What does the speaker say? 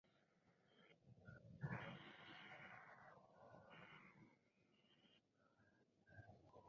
La carretera continúa como camino departamental hasta San Francisco donde finaliza este tramo.